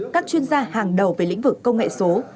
các chuyên gia hàng đầu về lĩnh vực công nghệ số